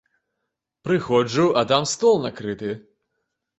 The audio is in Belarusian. Прыходжу, а там стол накрыты.